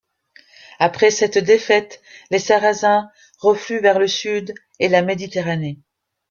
Après cette défaite, les Sarrasins refluent vers le sud et la Méditerranée.